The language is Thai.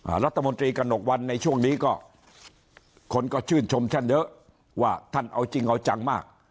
รัฐมนตรีกระหนกวันในช่วงนี้ก็คนก็ชื่นชมท่านเยอะว่าท่านเอาจริงเอาจังมาก